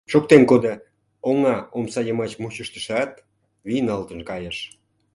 шоктен кодо: оҥа, омса йымач мучыштышат, вийналтын кайыш...